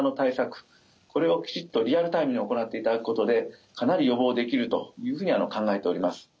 これをきちっとリアルタイムに行っていただくことでかなり予防できるというふうに考えております。